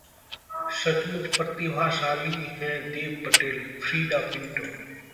सचमुच प्रतिभाशाली हैं देव पटेल: फ्रीडा पिंटो